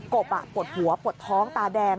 บปวดหัวปวดท้องตาแดง